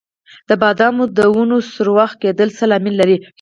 د بادامو د ونو سوراخ کیدل څه لامل لري؟